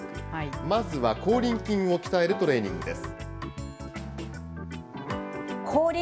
まずは口輪筋を鍛えるトレーニングです。